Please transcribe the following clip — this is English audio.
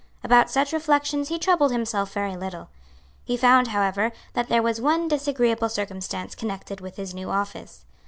About such reflections he troubled himself very little. He found, however, that there was one disagreeable circumstance connected with his new office.